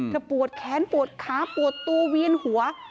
ปวดแขนปวดขาปวดตัวเวียนหัว